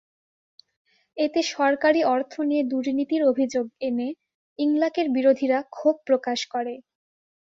এতে সরকারি অর্থ নিয়ে দুর্নীতির অভিযোগ এনে ইংলাকের বিরোধীরা ক্ষোভ প্রকাশ করে।